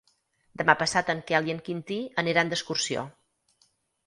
Demà passat en Quel i en Quintí aniran d'excursió.